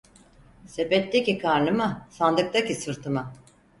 Sepetteki karnıma, sandıktaki sırtıma.